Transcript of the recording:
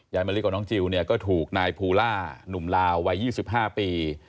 ยายมะลิกับน้องจิ๋วก็ถูกนายภูลาหนุ่มลาววัย๒๕ปี